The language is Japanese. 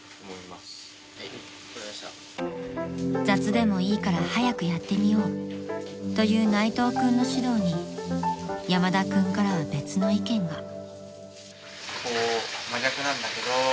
［雑でもいいからはやくやってみようという内藤君の指導に山田君からは別の意見が］